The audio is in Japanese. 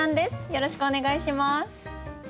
よろしくお願いします。